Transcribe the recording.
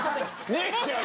姉ちゃんが。